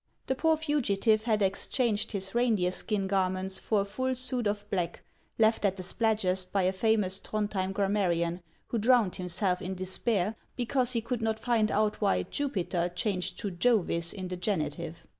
The poor fugitive had exchanged his reindeer skin garments for a full suit of black, left at the Spladgest by a famous Throndhjem grammarian, who drowned himself in despair because he could not find out why "Jupiter" changed to " Jovis" in the genitive.